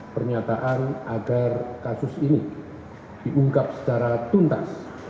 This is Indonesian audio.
pernyataan agar kasus ini diungkap secara tuntas